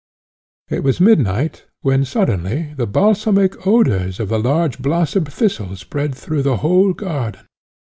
It was midnight, when suddenly the balsamic odours of the large blossomed thistle spread through the whole garden.